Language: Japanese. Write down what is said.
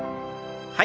はい。